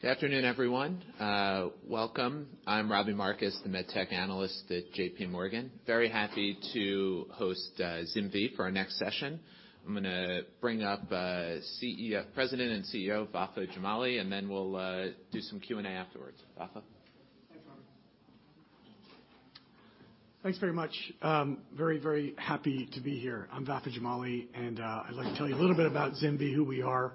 Good afternoon, everyone. Welcome. I'm Robbie Marcus, the med tech analyst at JPMorgan. Very happy to host ZimVie for our next session. I'm gonna bring up President and CEO, Vafa Jamali, and then we'll do some Q&A afterwards. Vafa. Thanks, Robbie Marcus. Thanks very much. Very, very happy to be here. I'm Vafa Jamali, and I'd like to tell you a little bit about ZimVie, who we are,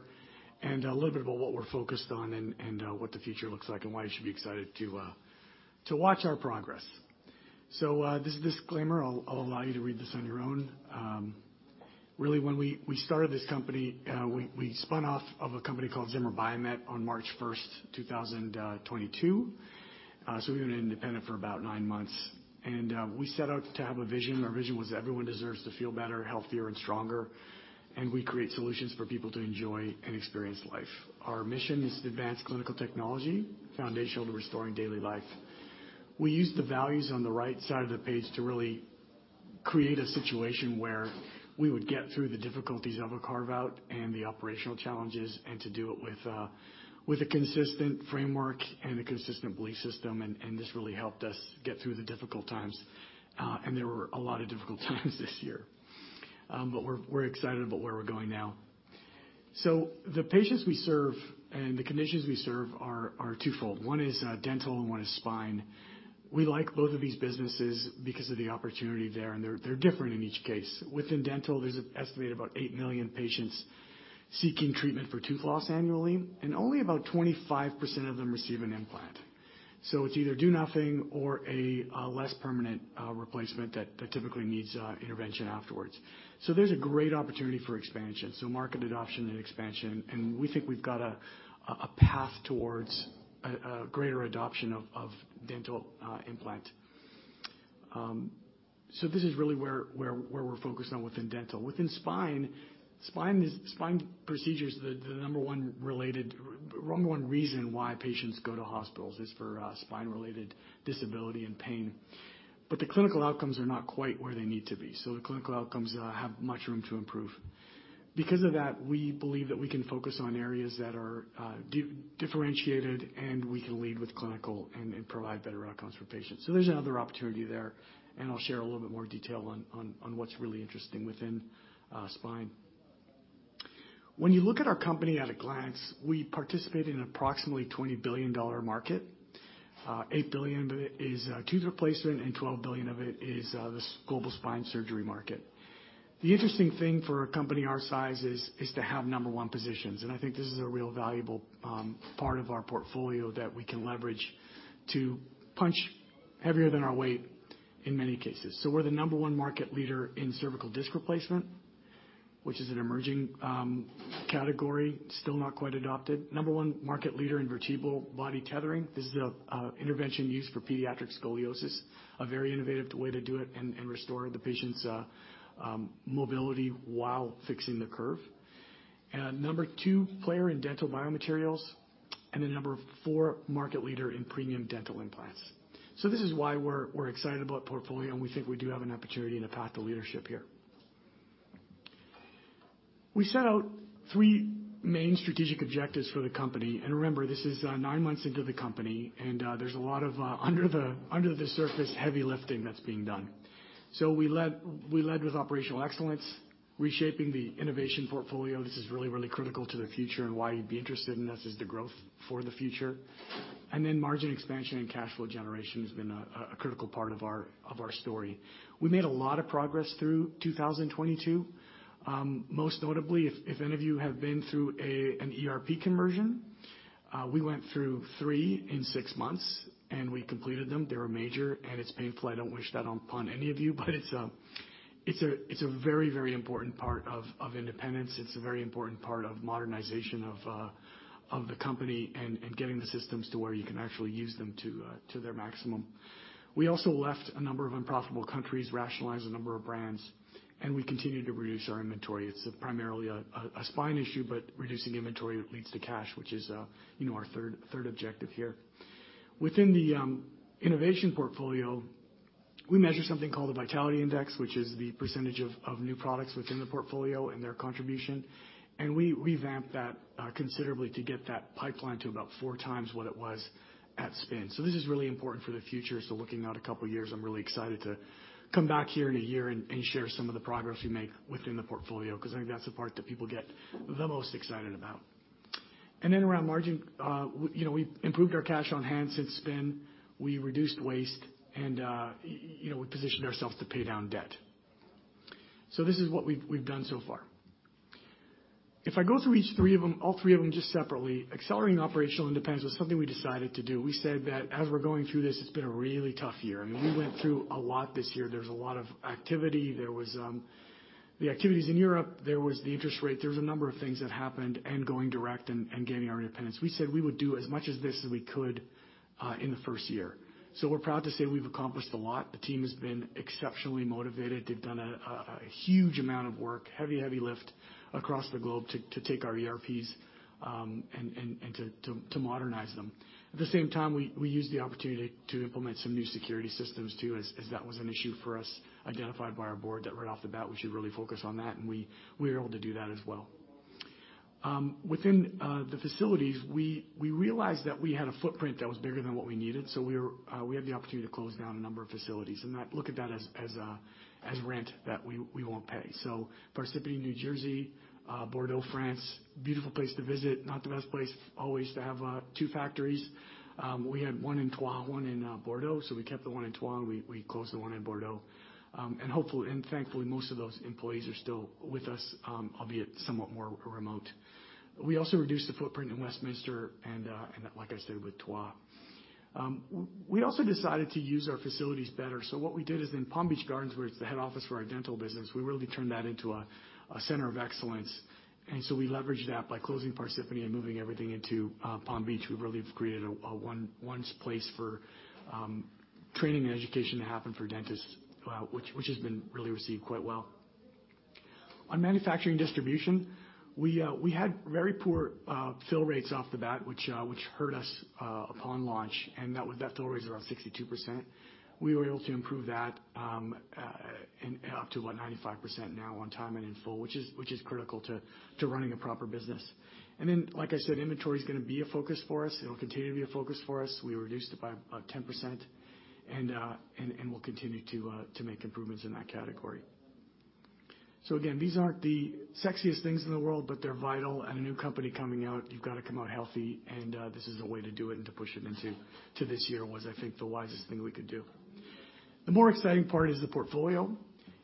and a little bit about what we're focused on and what the future looks like and why you should be excited to watch our progress. This is a disclaimer. I'll allow you to read this on your own. Really, when we started this company, we spun off of a company called Zimmer Biomet on March 1, 2022. We've been independent for about nine months. We set out to have a vision. Our vision was everyone deserves to feel better, healthier, and stronger, and we create solutions for people to enjoy and experience life. Our mission is to advance clinical technology foundational to restoring daily life. We used the values on the right side of the page to really create a situation where we would get through the difficulties of a carve-out and the operational challenges and to do it with a consistent framework and a consistent belief system, and this really helped us get through the difficult times. There were a lot of difficult times this year. We're excited about where we're going now. The patients we serve and the conditions we serve are twofold. One is dental, and one is spine. We like both of these businesses because of the opportunity there, and they're different in each case. Within dental, there's estimated about eight million patients seeking treatment for tooth loss annually. Only about 25% of them receive an implant. It's either do nothing or a less permanent replacement that typically needs intervention afterwards. There's a great opportunity for expansion, so market adoption and expansion, and we think we've got a path towards a greater adoption of dental implant. This is really where we're focused on within dental. Within spine procedures, the number one reason why patients go to hospitals is for spine-related disability and pain. The clinical outcomes are not quite where they need to be. The clinical outcomes have much room to improve. Because of that, we believe that we can focus on areas that are differentiated, and we can lead with clinical and provide better outcomes for patients. There's another opportunity there, and I'll share a little bit more detail on what's really interesting within spine. When you look at our company at a glance, we participate in approximately $20 billion market. $8 billion of it is tooth replacement and $12 billion of it is the global spine surgery market. The interesting thing for a company our size is to have number one positions, and I think this is a real valuable part of our portfolio that we can leverage to punch heavier than our weight in many cases. We're the one market leader in cervical disc replacement, which is an emerging category, still not quite adopted. One market leader in vertebral body tethering. This is a intervention used for pediatric scoliosis, a very innovative way to do it and restore the patient's mobility while fixing the curve. Two player in dental biomaterials, and the four market leader in premium dental implants. This is why we're excited about portfolio, and we think we do have an opportunity and a path to leadership here. We set out three main strategic objectives for the company. Remember, this is nine months into the company, and there's a lot of under the surface heavy lifting that's being done. We led with operational excellence, reshaping the innovation portfolio. This is really, really critical to the future and why you'd be interested in this is the growth for the future. Margin expansion and cash flow generation has been a critical part of our story. We made a lot of progress through 2022. Most notably, if any of you have been through an ERP conversion, we went through three in six months, and we completed them. They were major, and it's painful. I don't wish that upon any of you, but it's a very, very important part of independence. It's a very important part of modernization of the company and getting the systems to where you can actually use them to their maximum. We also left a number of unprofitable countries, rationalized a number of brands, and we continued to reduce our inventory. It's primarily a spine issue, but reducing inventory leads to cash, which is, you know, our third objective here. Within the innovation portfolio, we measure something called the Vitality Index, which is the percentage of new products within the portfolio and their contribution. We revamped that considerably to get that pipeline to about four times what it was at spin. This is really important for the future. Looking out a couple years, I'm really excited to come back here in a year and share some of the progress we make within the portfolio 'cause I think that's the part that people get the most excited about. Around margin, you know, we improved our cash on hand since spin. We reduced waste and, you know, we positioned ourselves to pay down debt. This is what we've done so far. If I go through each three of them, all three of them just separately, accelerating operational independence was something we decided to do. We said that as we're going through this, it's been a really tough year. I mean, we went through a lot this year. There was a lot of activity. There was the activities in Europe, there was the interest rate, there was a number of things that happened and going direct and gaining our independence. We said we would do as much as this as we could in the first year. We're proud to say we've accomplished a lot. The team has been exceptionally motivated. They've done a huge amount of work, heavy lift across the globe to take our ERPs and to modernize them. At the same time, we used the opportunity to implement some new security systems too, as that was an issue for us identified by our board that right off the bat we should really focus on that, and we were able to do that as well. Within the facilities, we realized that we had a footprint that was bigger than what we needed, so we had the opportunity to close down a number of facilities and not look at that as rent that we won't pay. Parsippany, New Jersey, Bordeaux, France, beautiful place to visit, not the best place always to have two factories. We had one in Troyes, one in Bordeaux, so we kept the one in Troyes and we closed the one in Bordeaux. Hopefully, and thankfully, most of those employees are still with us, albeit somewhat more remote. We also reduced the footprint in Westminster and, like I said, with Troyes. We also decided to use our facilities better. What we did is in Palm Beach Gardens, where it's the head office for our dental business, we really turned that into a center of excellence. We leveraged that by closing Parsippany and moving everything into Palm Beach. We really have created a once place for training and education to happen for dentists, which has been really received quite well. On manufacturing distribution, we had very poor fill rates off the bat, which hurt us upon launch, and that fill rate is around 62%. We were able to improve that and up to about 95% now on time and in full, which is critical to running a proper business. Then, like I said, inventory is gonna be a focus for us. It'll continue to be a focus for us. We reduced it by about 10% and we'll continue to make improvements in that category. Again, these aren't the sexiest things in the world, but they're vital and a new company coming out, you've got to come out healthy and this is the way to do it and to push it into this year was I think the wisest thing we could do. The more exciting part is the portfolio,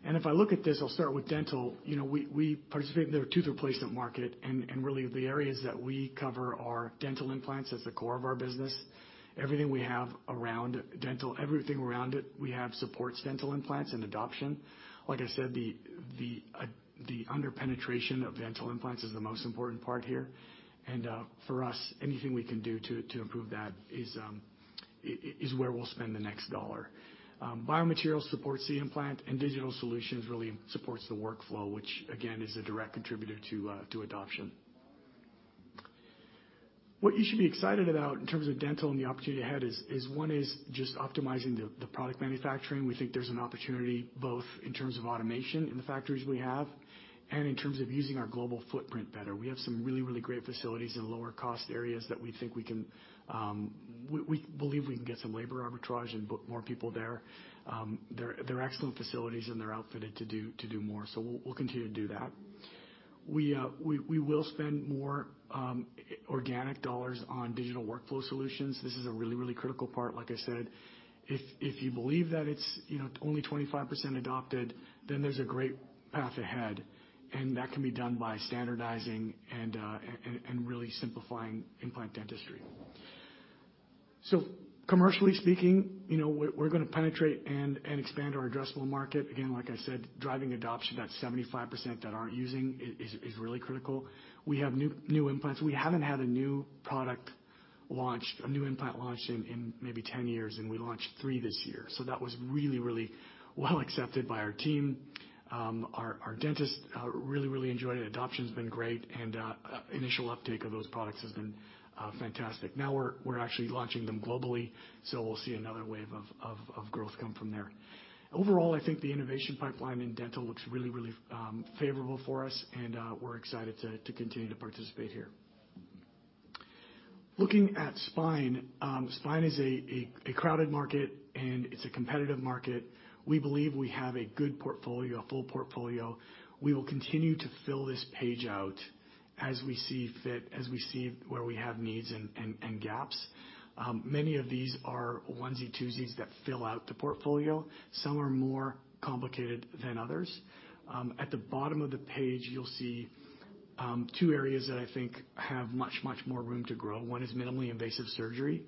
if I look at this, I'll start with dental. You know, we participate in the tooth replacement market, and really the areas that we cover are dental implants as the core of our business. Everything we have around dental, everything around it, we have supports dental implants and adoption. Like I said, the under-penetration of dental implants is the most important part here. For us, anything we can do to improve that is where we'll spend the next dollar. Biomaterials supports the implant and digital solutions really supports the workflow, which again, is a direct contributor to adoption. What you should be excited about in terms of dental and the opportunity ahead is one is just optimizing the product manufacturing. We think there's an opportunity both in terms of automation in the factories we have and in terms of using our global footprint better. We have some really, really great facilities in lower cost areas that we think we can, we believe we can get some labor arbitrage and put more people there. They're excellent facilities and they're outfitted to do more. We'll continue to do that. We will spend more organic dollars on digital workflow solutions. This is a really, really critical part. Like I said, if you believe that it's, you know, only 25% adopted, there's a great path ahead and that can be done by standardizing and really simplifying implant dentistry. Commercially speaking, you know, we're gonna penetrate and expand our addressable market. Again, like I said, driving adoption, that 75% that aren't using is really critical. We have new implants. We haven't had a new product launch, a new implant launch in maybe 10 years, and we launched three this year. That was really well accepted by our team. Our dentists really enjoyed it. Adoption's been great and initial uptake of those products has been fantastic. Now we're actually launching them globally, we'll see another wave of growth come from there. Overall, I think the innovation pipeline in dental looks really favorable for us, and we're excited to continue to participate here. Looking at spine. Spine is a crowded market, and it's a competitive market. We believe we have a good portfolio, a full portfolio. We will continue to fill this page out as we see fit, as we see where we have needs and gaps. Many of these are onesie-twosies that fill out the portfolio. Some are more complicated than others. At the bottom of the page, you'll see two areas that I think have much more room to grow. One is minimally invasive surgery.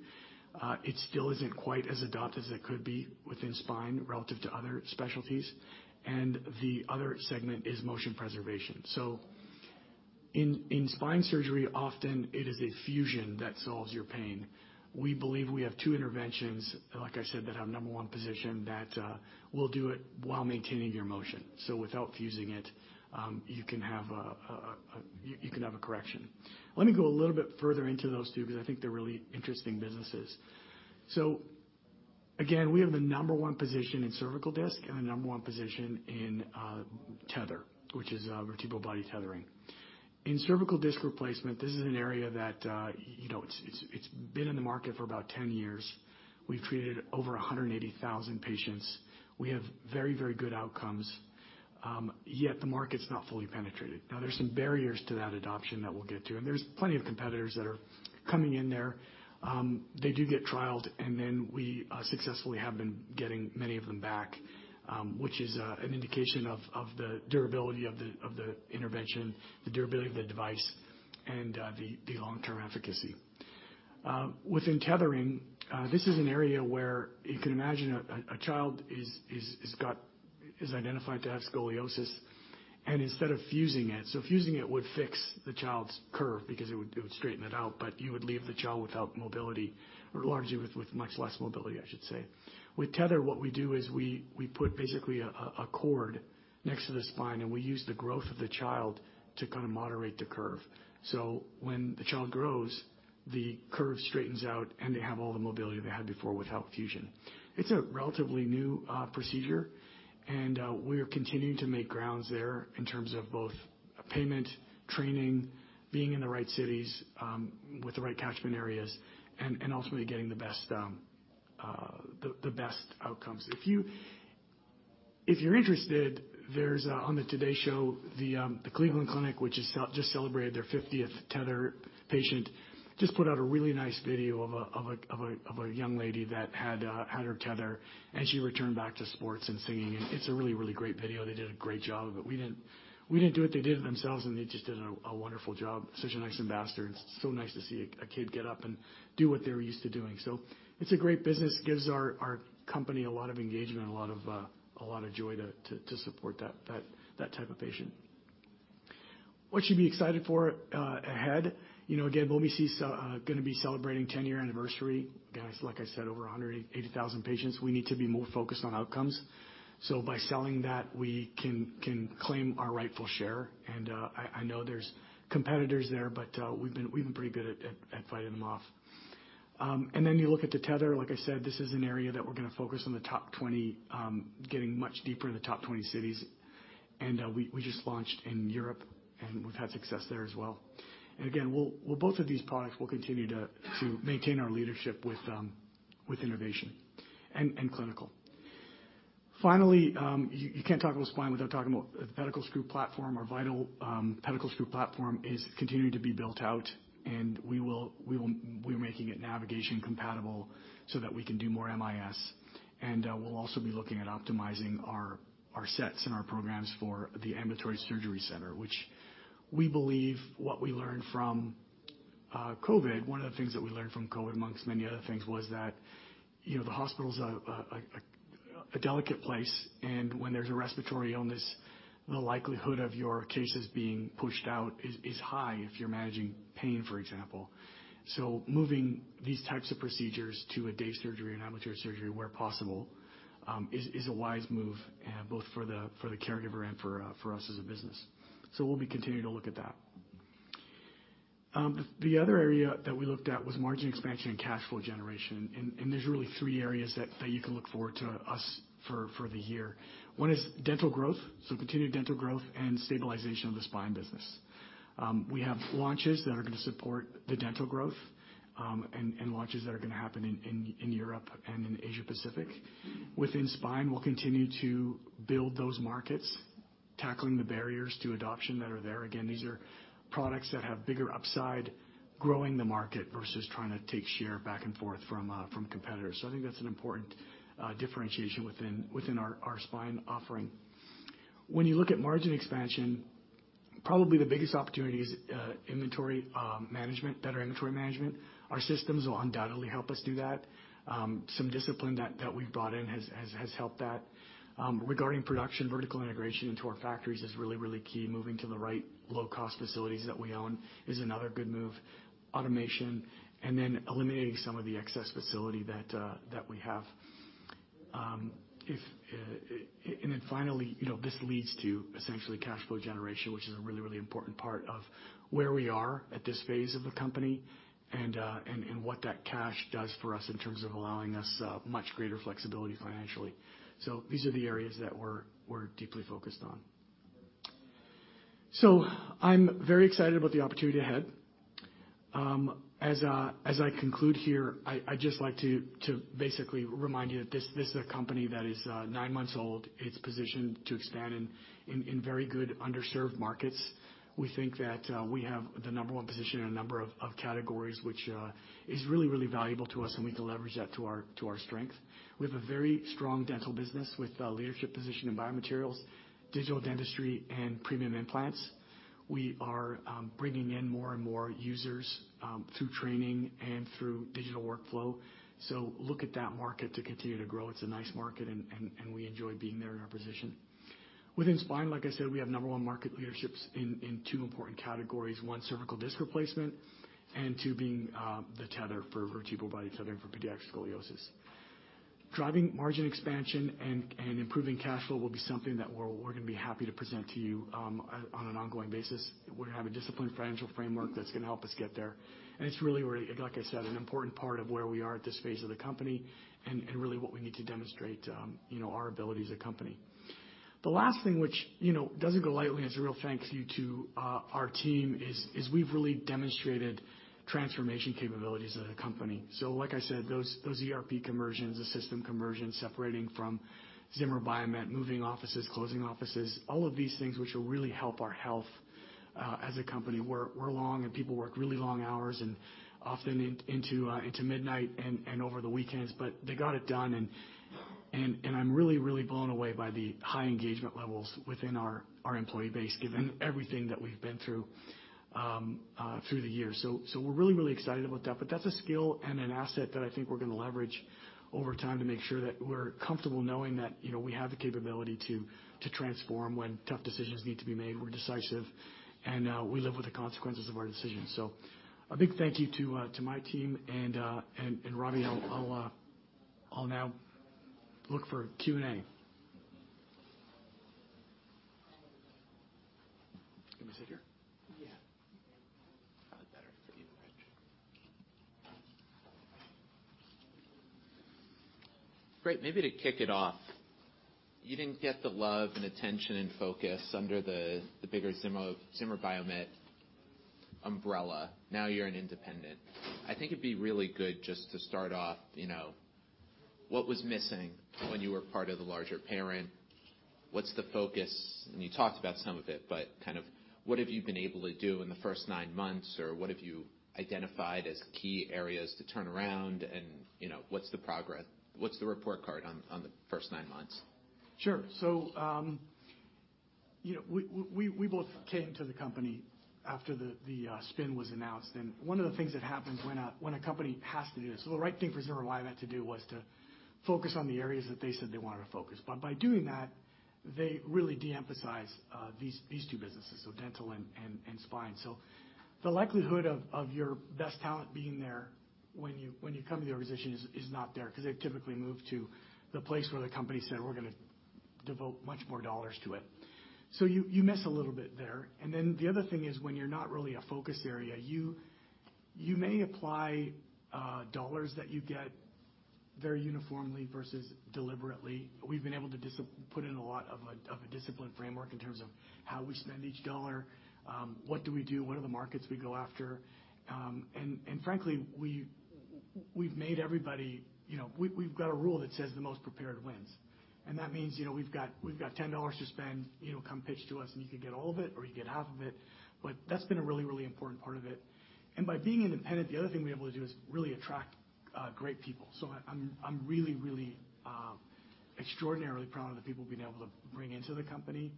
It still isn't quite as adopted as it could be within spine relative to other specialties. The other segment is motion preservation. In spine surgery, often it is a fusion that solves your pain. We believe we have two interventions, like I said, that will do it while maintaining your motion. Without fusing it, you can have a correction. Let me go a little bit further into those two because I think they're really interesting businesses. Again, we have the number one position in cervical disc and the number one position in tether, which is vertebral body tethering. In cervical disc replacement, this is an area that, you know, it's been in the market for about 10 years. We've treated over 180,000 patients. We have very good outcomes, yet the market's not fully penetrated. There's some barriers to that adoption that we'll get to, and there's plenty of competitors that are coming in there. They do get trialed, and then we successfully have been getting many of them back, which is an indication of the durability of the intervention, the durability of the device, and the long-term efficacy. Within tethering, this is an area where you can imagine a child is identified to have scoliosis, and instead of fusing it... Fusing it would fix the child's curve because it would straighten it out, but you would leave the child without mobility or largely with much less mobility, I should say. With The Tether, what we do is we put basically a cord next to the spine, and we use the growth of the child to kind of moderate the curve. When the child grows, the curve straightens out and they have all the mobility they had before without fusion. It's a relatively new procedure and we are continuing to make grounds there in terms of both payment, training, being in the right cities, with the right catchment areas and ultimately getting the best outcomes. If you're interested, there's on the Today Show, the Cleveland Clinic, which has just celebrated their 50th Tether patient, just put out a really nice video of a young lady that had her Tether, and she returned back to sports and singing. It's a really great video. They did a great job. We didn't do it, they did it themselves, and they just did a wonderful job. Such a nice ambassador, and it's so nice to see a kid get up and do what they were used to doing. It's a great business. Gives our company a lot of engagement and a lot of joy to support that type of patient. What you should be excited for, you know, again, Mobi-C's gonna be celebrating 10-year anniversary. Guys, like I said, over 180,000 patients. We need to be more focused on outcomes. By selling that, we can claim our rightful share. I know there's competitors there, but we've been pretty good at fighting them off. You look at The Tether, like I said, this is an area that we're gonna focus on the top 20, getting much deeper in the top 20 cities. We just launched in Europe, and we've had success there as well. Again, both of these products will continue to maintain our leadership with innovation and clinical. Finally, you can't talk about spine without talking about the pedicle screw platform. Our Vital pedicle screw platform is continuing to be built out. We're making it navigation compatible so that we can do more MIS. We'll also be looking at optimizing our sets and our programs for the ambulatory surgery center, which we believe what we learned from COVID. One of the things that we learned from COVID, amongst many other things, was that, you know, the hospital's a delicate place, and when there's a respiratory illness, the likelihood of your cases being pushed out is high, if you're managing pain, for example. Moving these types of procedures to a day surgery, an ambulatory surgery where possible, is a wise move, both for the caregiver and for us as a business. We'll be continuing to look at that. The other area that we looked at was margin expansion and cash flow generation. There's really three areas that you can look forward to us for the year. One is dental growth, so continued dental growth and stabilization of the spine business. We have launches that are gonna support the dental growth, and launches that are gonna happen in Europe and in Asia-Pacific. Within spine, we'll continue to build those markets, tackling the barriers to adoption that are there. Again, these are products that have bigger upside growing the market versus trying to take share back and forth from competitors. I think that's an important differentiation within our spine offering. When you look at margin expansion, probably the biggest opportunity is inventory management, better inventory management. Our systems will undoubtedly help us do that. Some discipline that we've brought in has helped that. Regarding production, vertical integration into our factories is really key. Moving to the right low-cost facilities that we own is another good move. Automation. Then eliminating some of the excess facility that we have. Finally, you know, this leads to essentially cash flow generation, which is a really, really important part of where we are at this phase of the company and what that cash does for us in terms of allowing us much greater flexibility financially. These are the areas that we're deeply focused on. I'm very excited about the opportunity ahead. As I conclude here, I'd just like to basically remind you that this is a company that is nine months old. It's positioned to expand in very good underserved markets. We think that we have the number one position in a number of categories, which is really, really valuable to us, and we can leverage that to our strength. We have a very strong dental business with a leadership position in biomaterials, digital dentistry, and premium implants. We are bringing in more and more users through training and through digital workflow. Look at that market to continue to grow. It's a nice market and we enjoy being there and our position. Within spine, like I said, we have number one market leaderships in two important categories. One, cervical disc replacement, and two being, the Tether for vertebral body tethering for pediatric scoliosis. Driving margin expansion and improving cash flow will be something that we're gonna be happy to present to you on an ongoing basis. We have a disciplined financial framework that's gonna help us get there, and it's really, like I said, an important part of where we are at this phase of the company and really what we need to demonstrate, you know, our ability as a company. The last thing which, you know, doesn't go lightly, and it's a real thank you to our team is we've really demonstrated transformation capabilities as a company. Like I said, those ERP conversions, the system conversions, separating from Zimmer Biomet, moving offices, closing offices, all of these things which will really help our health as a company. We're long, people work really long hours and often into midnight and over the weekends, they got it done and I'm really blown away by the high engagement levels within our employee base, given everything that we've been through through the years. We're really excited about that. That's a skill and an asset that I think we're gonna leverage over time to make sure that we're comfortable knowing that, you know, we have the capability to transform when tough decisions need to be made. We're decisive, we live with the consequences of our decisions. A big thank you to my team and Robbie. I'll now look for Q&A. Can we sit here? Yeah. Great. Maybe to kick it off, you didn't get the love and attention and focus under the bigger Zimmer Biomet umbrella. Now you're an independent. I think it'd be really good just to start off, you know, what was missing when you were part of the larger parent? What's the focus? You talked about some of it, but kind of what have you been able to do in the first nine months, or what have you identified as key areas to turn around and, you know, what's the report card on the first nine months? Sure. You know, we both came to the company after the spin was announced, and one of the things that happens when a company has to do this. The right thing for Zimmer Biomet to do was to focus on the areas that they said they wanted to focus. By doing that, they really de-emphasized these two businesses, so dental and spine. The likelihood of your best talent being there when you come to the organization is not there, 'cause they've typically moved to the place where the company said, we're gonna devote much more dollars to it. You miss a little bit there. The other thing is, when you're not really a focus area, you may apply dollars that you get very uniformly versus deliberately. We've been able to put in a lot of a disciplined framework in terms of how we spend each dollar, what do we do, what are the markets we go after. Frankly, we've made everybody, you know. We've got a rule that says the most prepared wins. That means, you know, we've got $10 to spend, you know, come pitch to us, and you could get all of it or you get half of it. That's been a really, really important part of it. By being independent, the other thing we're able to do is really attract great people. I'm really extraordinarily proud of the people we've been able to bring into the company.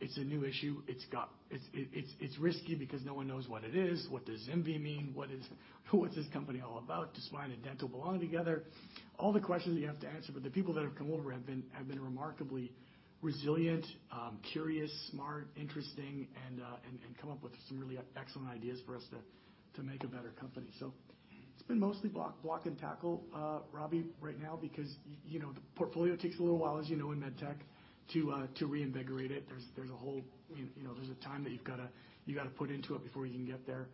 It's a new issue. It's risky because no one knows what it is. What does ZIMV mean? What's this company all about? Does spine and dental belong together? All the questions that you have to answer, but the people that have come over have been remarkably resilient, curious, smart, interesting, and come up with some really excellent ideas for us to make a better company. It's been mostly block and tackle, Robbie, right now because you know, the portfolio takes a little while, as you know, in med tech to reinvigorate it. There's a whole, you know, there's a time that you've gotta put into it before you can get there,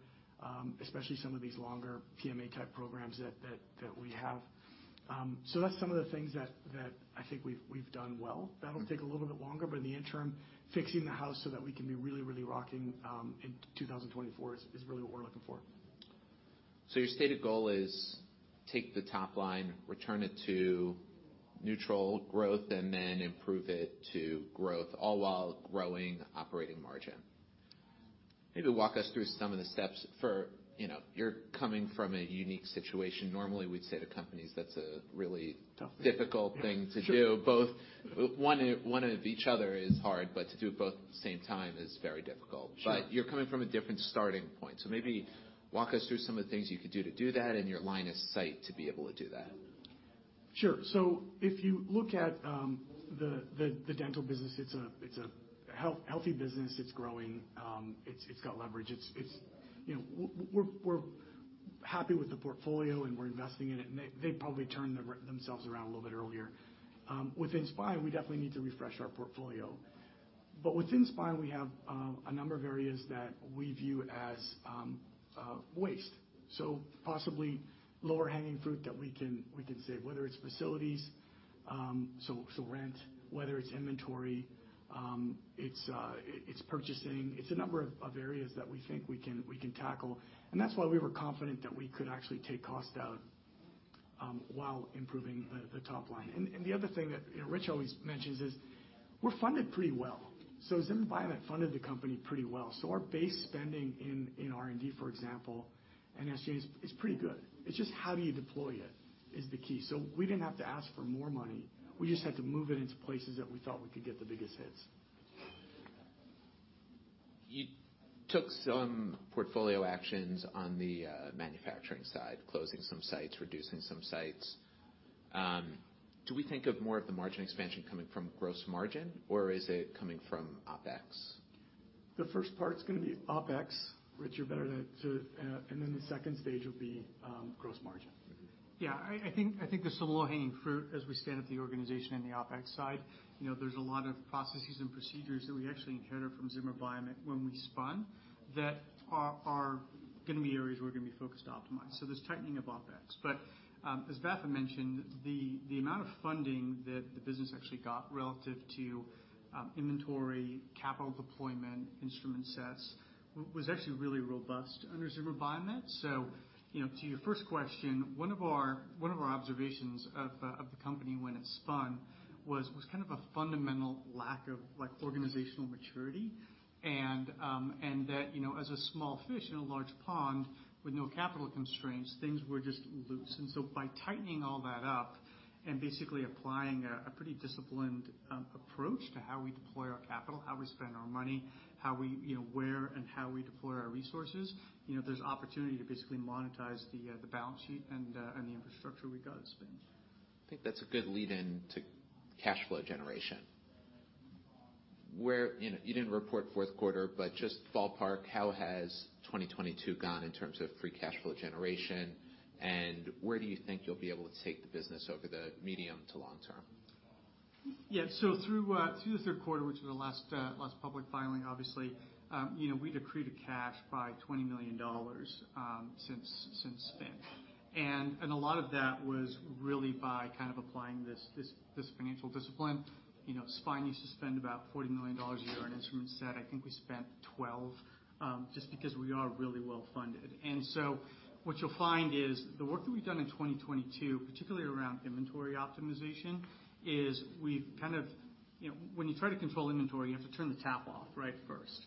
especially some of these longer PMA-type programs that we have. That's some of the things that I think we've done well. That'll take a little bit longer, but in the interim, fixing the house so that we can be really rocking in 2024 is really what we're looking for. Your stated goal is take the top line, return it to neutral growth, and then improve it to growth, all while growing operating margin. Maybe walk us through some of the steps for. You know, you're coming from a unique situation. Normally, we'd say to companies, that's a really-. Tough. difficult thing to do. Sure. One of each other is hard, but to do both at the same time is very difficult. Sure. You're coming from a different starting point. Maybe walk us through some of the things you could do to do that and your line of sight to be able to do that. Sure. If you look at the dental business, it's a healthy business. It's growing. It's got leverage. It's, you know, we're happy with the portfolio, and we're investing in it, and they probably turned themselves around a little bit earlier. Within spine, we definitely need to refresh our portfolio. Within spine, we have a number of areas that we view as waste. Possibly lower-hanging fruit that we can save, whether it's facilities, so rent, whether it's inventory, it's purchasing. It's a number of areas that we think we can tackle, and that's why we were confident that we could actually take cost out while improving the top line. The other thing that, you know, Rich always mentions is we're funded pretty well. Zimmer Biomet funded the company pretty well. Our base spending in R&D, for example, and SG, is pretty good. It's just how do you deploy it is the key. We didn't have to ask for more money. We just had to move it into places that we thought we could get the biggest hits. You took some portfolio actions on the manufacturing side, closing some sites, reducing some sites. Do we think of more of the margin expansion coming from gross margin, or is it coming from OPEX? The first part's gonna be OPEX. Rich, you're better to. Then the second stage will be gross margin. Yeah. I think there's some low-hanging fruit as we stand up the organization in the OPEX side. You know, there's a lot of processes and procedures that we actually inherited from Zimmer Biomet when we spun that are gonna be areas we're gonna be focused to optimize. There's tightening of OPEX. As Vafa mentioned, the amount of funding that the business actually got relative to inventory, capital deployment, instrument sets was actually really robust under Zimmer Biomet. You know, to your first question, one of our observations of the company when it spun was kind of a fundamental lack of, like, organizational maturity, and that, you know, as a small fish in a large pond with no capital constraints, things were just loose. By tightening all that up and basically applying a pretty disciplined approach to how we deploy our capital, how we spend our money, how we, you know, where and how we deploy our resources, you know, there's opportunity to basically monetize the balance sheet and the infrastructure we got as spin. I think that's a good lead-in to cash flow generation. You know, you didn't report fourth quarter, but just ballpark, how has 2022 gone in terms of free cash flow generation, and where do you think you'll be able to take the business over the medium to long term? Yeah. Through the third quarter, which was our last public filing, obviously, you know, we'd accreted cash by $20 million since then. A lot of that was really by kind of applying this, this financial discipline. You know, spine used to spend about $40 million a year on instrument set. I think we spent 12 just because we are really well-funded. What you'll find is the work that we've done in 2022, particularly around inventory optimization, is we've kind of. You know, when you try to control inventory, you have to turn the tap off, right, first.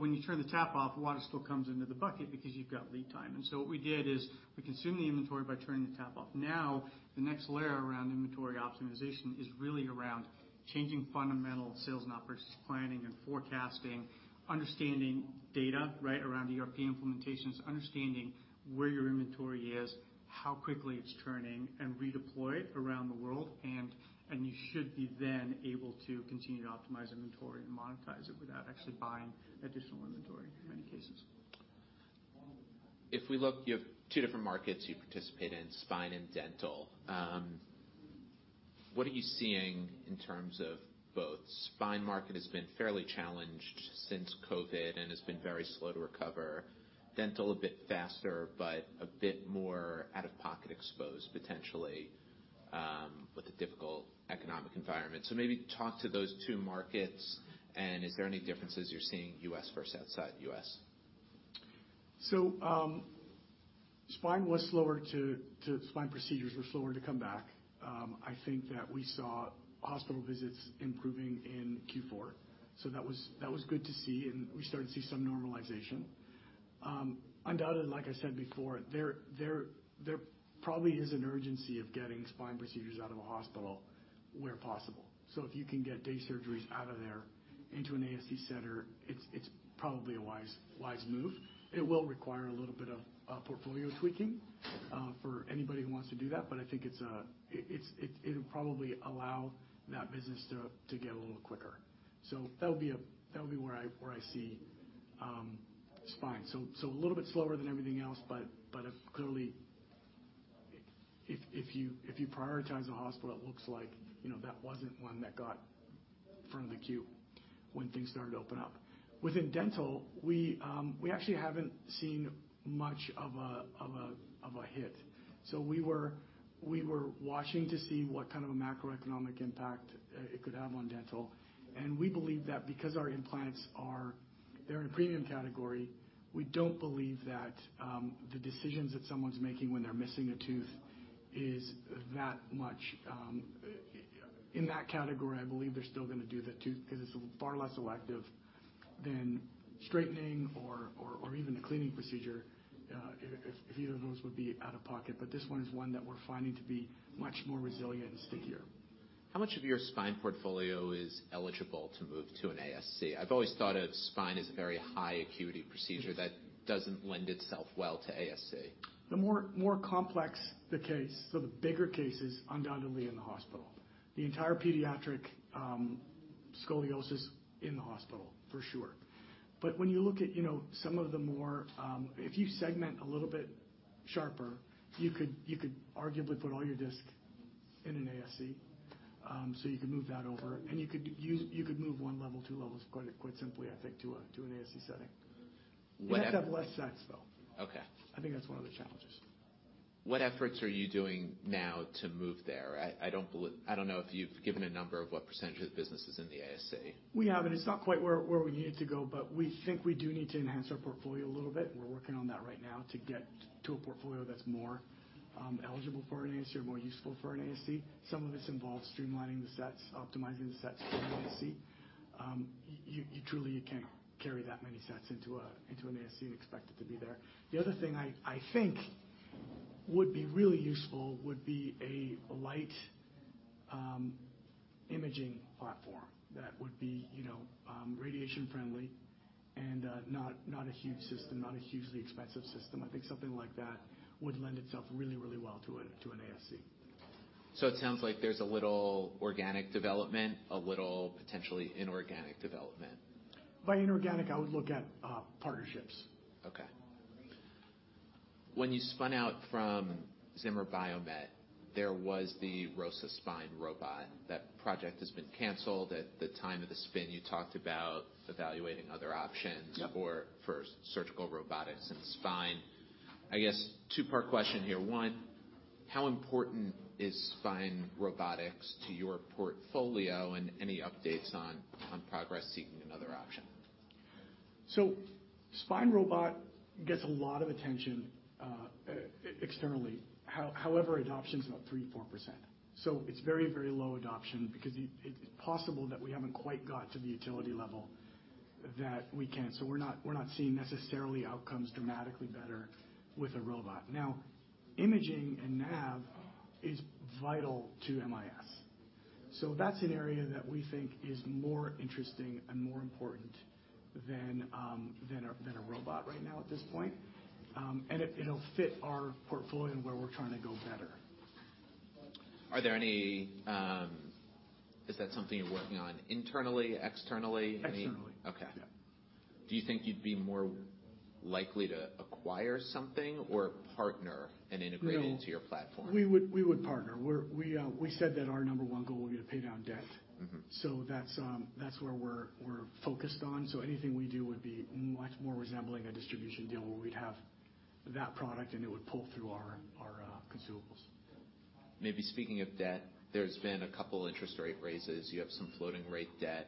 When you turn the tap off, water still comes into the bucket because you've got lead time. What we did is we consumed the inventory by turning the tap off. The next layer around inventory optimization is really around changing fundamental sales and operations planning and forecasting, understanding data, right, around ERP implementations, understanding where your inventory is, how quickly it's turning, and redeploy it around the world and you should be then able to continue to optimize inventory and monetize it without actually buying additional inventory in many cases. If we look, you have two different markets you participate in, spine and dental. What are you seeing in terms of both? Spine market has been fairly challenged since COVID and has been very slow to recover. Dental, a bit faster, but a bit more out of pocket exposed potentially, with a difficult economic environment. Maybe talk to those two markets and is there any differences you're seeing U.S. versus outside U.S.? Spine procedures were slower to come back. I think that we saw hospital visits improving in Q4. That was good to see, and we started to see some normalization. Undoubtedly, like I said before, there probably is an urgency of getting spine procedures out of a hospital where possible. If you can get day surgeries out of there into an ASC center, it's probably a wise move. It will require a little bit of portfolio tweaking for anybody who wants to do that. I think it'll probably allow that business to get a little quicker. That would be where I see spine. A little bit slower than everything else, but clearly if you prioritize the hospital, it looks like, you know, that wasn't one that got front of the queue when things started to open up. Within dental, we actually haven't seen much of a hit. We were watching to see what kind of a macroeconomic impact it could have on dental, and we believe that because our implants are. They're in a premium category, we don't believe that the decisions that someone's making when they're missing a tooth is that much. In that category, I believe they're still gonna do the tooth 'cause it's far less elective than straightening or even a cleaning procedure, if either of those would be out of pocket. This one is one that we're finding to be much more resilient and stickier. How much of your spine portfolio is eligible to move to an ASC? I've always thought of spine as a very high acuity procedure that doesn't lend itself well to ASC. The more complex the case, so the bigger cases undoubtedly in the hospital. The entire pediatric scoliosis in the hospital for sure. When you look at, you know, some of the more, if you segment a little bit sharper, you could arguably put all your disc in an ASC. You could move that over. You could move one level, two levels quite simply, I think, to an ASC setting. What ef- It might have less sets, though. Okay. I think that's one of the challenges. What efforts are you doing now to move there? I don't know if you've given a number of what % of the business is in the ASC. We haven't. It's not quite where we need it to go. We think we do need to enhance our portfolio a little bit. We're working on that right now to get to a portfolio that's more eligible for an ASC or more useful for an ASC. Some of it involves streamlining the sets, optimizing the sets for an ASC. You truly, you can't carry that many sets into an ASC and expect it to be there. The other thing I think would be really useful would be a light imaging platform that would be, you know, radiation-friendly and not a huge system, not a hugely expensive system. I think something like that would lend itself really, really well to an ASC. It sounds like there's a little organic development, a little potentially inorganic development. By inorganic, I would look at, partnerships. Okay. When you spun out from Zimmer Biomet, there was the ROSA spine robot. That project has been canceled. At the time of the spin, you talked about evaluating other options- Yeah. -for surgical robotics and spine. I guess two-part question here. one, how important is spine robotics to your portfolio and any updates on progress seeking another option? Spine robot gets a lot of attention externally. However, adoption's about 3%-4%. It's very, very low adoption because it's possible that we haven't quite got to the utility level that we can. We're not seeing necessarily outcomes dramatically better with a robot. Now, imaging and navigation is vital to MIS. That's an area that we think is more interesting and more important than a robot right now at this point. And it'll fit our portfolio and where we're trying to go better. Is that something you're working on internally, externally? I mean. Externally. Okay. Yeah. Do you think you'd be more likely to acquire something or partner and integrate it? No into your platform? We would partner. We said that our number 1 goal will be to pay down debt. Mm-hmm. That's where we're focused on. Anything we do would be much more resembling a distribution deal where we'd have that product and it would pull through our consumables. Maybe speaking of debt, there's been a couple interest rate raises. You have some floating rate debt.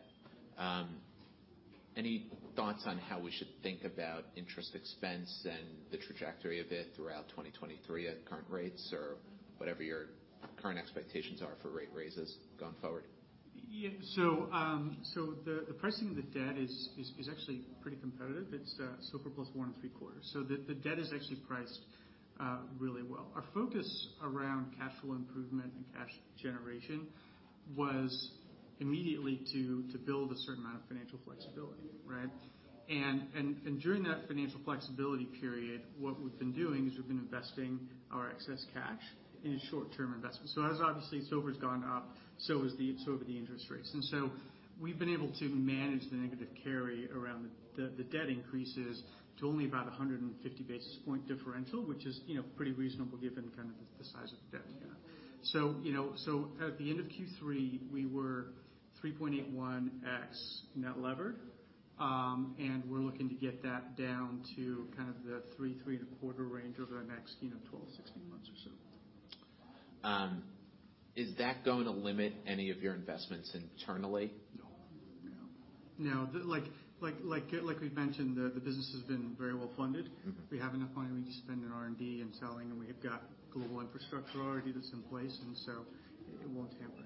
Any thoughts on how we should think about interest expense and the trajectory of it throughout 2023 at current rates or whatever your current expectations are for rate raises going forward? Yeah. So, the pricing of the debt is actually pretty competitive. It's SOFR plus one and three-quarters. The debt is actually priced really well. Our focus around cash flow improvement and cash generation was immediately to build a certain amount of financial flexibility, right? During that financial flexibility period, what we've been doing is we've been investing our excess cash in short-term investments. As obviously SOFR has gone up, so has SOFR, the interest rates. We've been able to manage the negative carry around the debt increases to only about 150 basis point differential, which is, you know, pretty reasonable given kind of the size of the debt we have. You know, so at the end of Q3, we were 3.81x net leverage, and we're looking to get that down to kind of the 3 and a quarter range over the next, you know, 12, 16 months or so. Is that going to limit any of your investments internally? No. No. No. The like we've mentioned, the business has been very well-funded. Mm-hmm. We have enough money we can spend in R&D and selling, and we have got global infrastructure already that's in place, and so it won't hamper any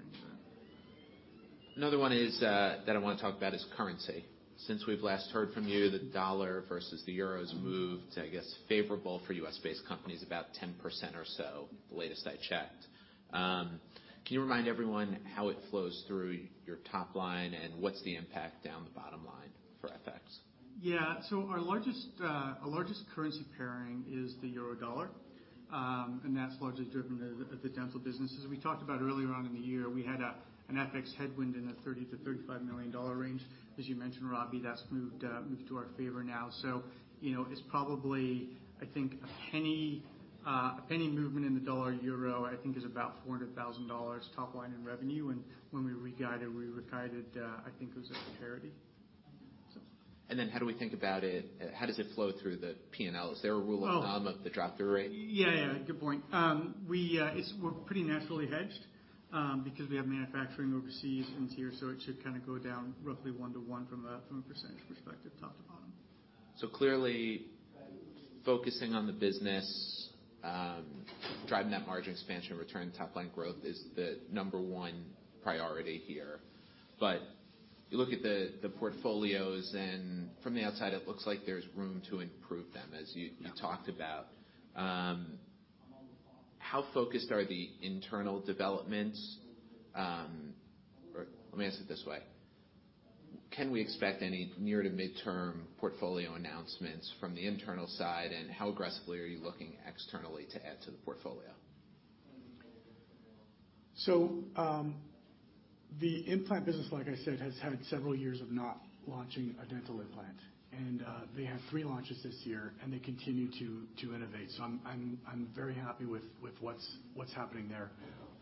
of that. Another one is that I wanna talk about is currency. Since we've last heard from you, the dollar versus the Euro's Mm-hmm ...moved, I guess, favorable for US-based companies, about 10% or so, the latest I checked. Can you remind everyone how it flows through your top line and what's the impact down the bottom line for FX? Yeah. Our largest currency pairing is the Euro/dollar, and that's largely driven by the dental businesses. We talked about earlier on in the year, we had an FX headwind in the $30 million-$35 million range. As you mentioned, Robbie, that's moved to our favor now. You know, it's probably, I think, a penny movement in the Dollar/euro, I think is about $400,000 top line in revenue. When we re-guided, I think it was at parity. Then how do we think about it? How does it flow through the P&L? Is there a rule of thumb of the drop-through rate? Yeah, yeah. Good point. We're pretty naturally hedged because we have manufacturing overseas and here. It should kinda go down roughly one to one from a, from a % perspective, top to bottom. Clearly focusing on the business, driving that margin expansion, return top line growth is the number 1 priority here. You look at the portfolios, and from the outside, it looks like there's room to improve them, as you. Yeah ...you talked about. How focused are the internal developments? Let me ask it this way. Can we expect any near to midterm portfolio announcements from the internal side, and how aggressively are you looking externally to add to the portfolio? The implant business, like I said, has had several years of not launching a dental implant. They had 3 launches this year, and they continue to innovate. I'm very happy with what's happening there.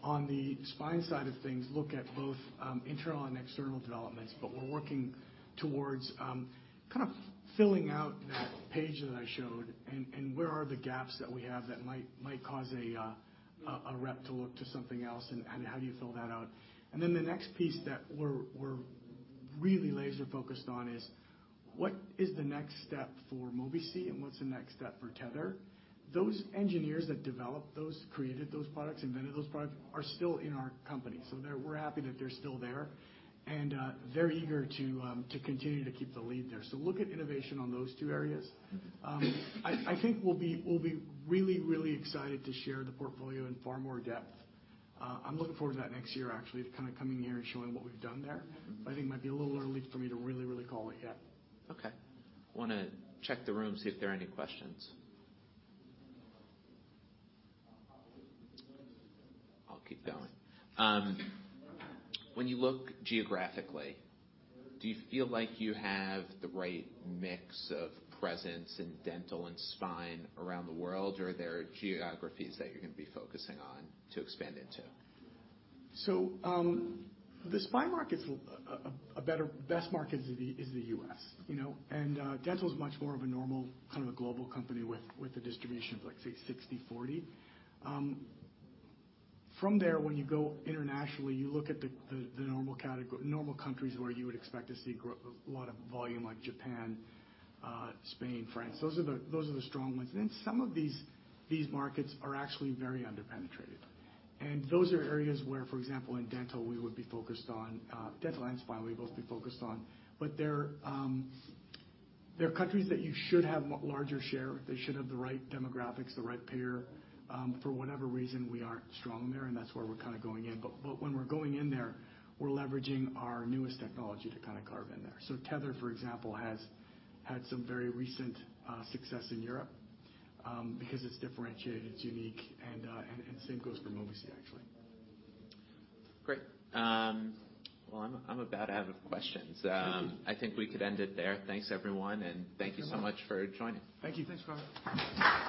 On the spine side of things, look at both internal and external developments, but we're working towards kind of filling out that page that I showed and where are the gaps that we have that might cause a rep to look to something else, and how do you fill that out. The next piece that we're really laser-focused on is what is the next step for Mobi-C and what's the next step for Tether? Those engineers that developed those, created those products, invented those products, are still in our company. we're happy that they're still there and very eager to continue to keep the lead there. Look at innovation on those two areas. I think we'll be really excited to share the portfolio in far more depth. I'm looking forward to that next year, actually, to kinda coming here and showing what we've done there. Mm-hmm. I think it might be a little early for me to really call it yet. Okay. Wanna check the room, see if there are any questions. I'll keep going. When you look geographically, do you feel like you have the right mix of presence in dental and spine around the world, or are there geographies that you're gonna be focusing on to expand into? The spine market's Best market is the U.S., you know. Dental is much more of a normal kind of a global company with a distribution of, like, say, 60/40. From there, when you go internationally, you look at the normal countries where you would expect to see a lot of volume like Japan, Spain, France. Those are the strong ones. Some of these markets are actually very under-penetrated. Those are areas where, for example, in dental, we would be focused on, dental and spine, we would both be focused on. There are countries that you should have larger share. They should have the right demographics, the right payer. For whatever reason, we aren't strong there, and that's where we're kinda going in. When we're going in there, we're leveraging our newest technology to kinda carve in there. Tether, for example, has had some very recent success in Europe, because it's differentiated, it's unique, and same goes for Mobi-C, actually. Great. Well, I'm about out of questions. Thank you. I think we could end it there. Thanks, everyone, and thank you so much for joining. Thank you. Thanks, Robbie.